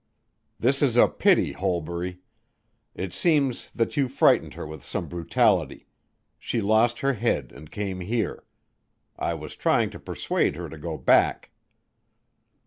"This is a pity, Holbury. It seems that you frightened her with some brutality. She lost her head and came here. I was trying to persuade her to go back."